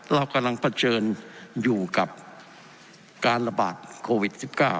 เรากำลังเผชิญอยู่กับการระบาดโควิด๑๙